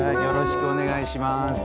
よろしくお願いします。